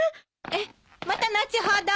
ええまた後ほど。